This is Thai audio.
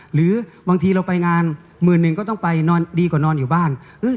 หรือบางทีเราไปงานหมื่นหนึ่งก็ต้องไปนอนดีกว่านอนอยู่บ้าน